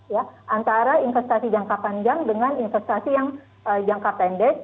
ya antara investasi jangka panjang dengan investasi yang jangka pendek